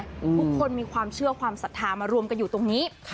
ทุกคนมีความเชื่อความศรัทธามารวมกันอยู่ตรงนี้